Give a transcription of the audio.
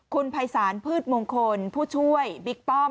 คุณภัยศาลพืชมงคลผู้ช่วยบิ๊กป้อม